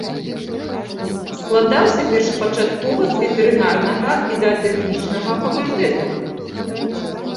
Складаўся першапачаткова з ветэрынарнага і заатэхнічнага факультэтаў.